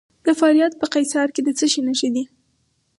د فاریاب په قیصار کې د څه شي نښې دي؟